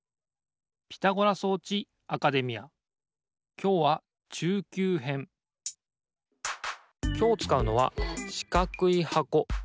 きょうはきょうつかうのはしかくいはこ。